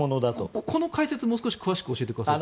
この解説をもう少し詳しく教えてください。